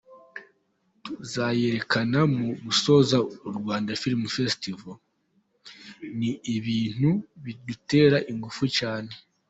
Tuzayerekana mu gusoza Rwanda Film Festival, ni ibintu bidutera ingufu cyane.